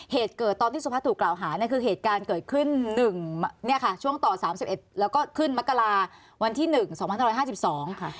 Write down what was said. เหตุเกิดตอนที่สมภัทร์ถูกกล่าวหาเนี่ยคือเหตุการเกิดขึ้น๑เนี่ยค่ะช่วงต่อ๓๑แล้วก็ขึ้นมกราวันที่๑๒๕๕๒ค่ะ